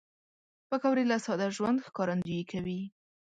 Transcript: پکورې له ساده ژوند ښکارندويي کوي